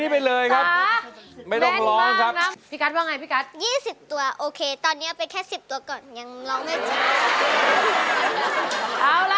นี่ไม่ได้ฟังร้องเพลงเลยนะเนี่ยไม่เอาอ่ะแข่งอีกหน่อยเถอะอยากฟังเสียงกุ๊กกิ๊กว่าเป็นยังไงอ่ะ